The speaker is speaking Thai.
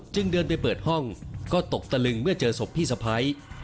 เดินไปเปิดห้องก็ตกตะลึงเมื่อเจอศพพี่สะพ้าย